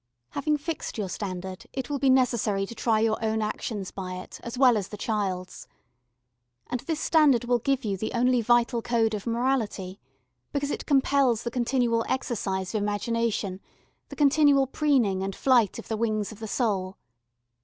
Having fixed your standard it will be necessary to try your own actions by it as well as the child's. And this standard will give you the only vital code of morality, because it compels the continual exercise of imagination, the continual preening and flight of the wings of the soul.